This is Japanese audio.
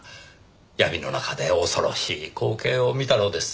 闇の中で恐ろしい光景を見たのです。